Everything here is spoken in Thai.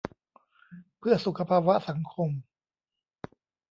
'เพื่อสุขภาวะสังคม'